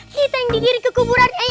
kita yang digiring ke kuburan